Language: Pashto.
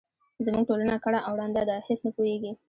زموږ ټولنه کڼه او ړنده ده هیس نه پوهیږي.